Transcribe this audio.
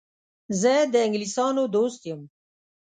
زه د انګلیسیانو دوست یم.